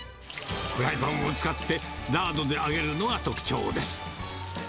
フライパンを使ってラードで揚げるのが特徴です。